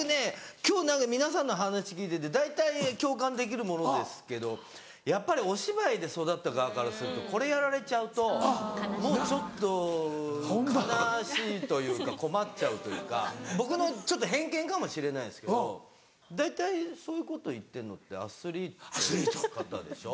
今日皆さんの話聞いてて大体共感できるものですけどやっぱりお芝居で育った側からするとこれやられちゃうともうちょっと悲しいというか困っちゃうというか僕の偏見かもしれないですけど大体そういうこと言ってるのってアスリートの方でしょ。